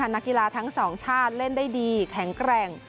นักกีฬาทั้งสองชาติเล่นได้ดีแข็งแกร่ง